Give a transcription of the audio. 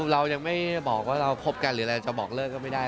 เรายังไม่บอกว่าเราคบกันหรือเราจะบอกเลิกก็ไม่ได้